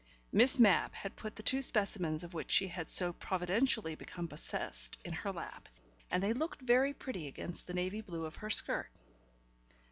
Miss Mapp had put the two specimens of which she had so providentially become possessed in her lap, and they looked very pretty against the navy blue of her skirt.